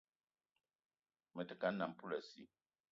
Me te ke a nnam poulassi